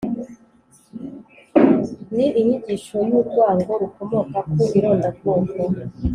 ni inyigisho y’urwango rukomoka ku irondabwoko